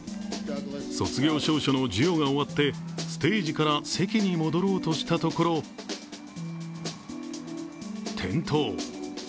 卒業証書の授与が終わって、ステージから席に戻ろうとしたところ、転倒。